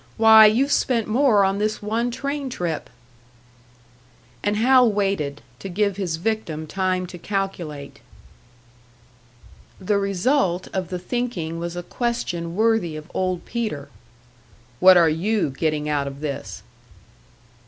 Why, you've spent more on this one train trip!" And Hal waited, to give his victim time to calculate. The result of the thinking was a question worthy of Old Peter. "What are you getting out of this?"